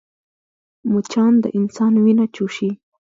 مچان د انسان وینه چوشي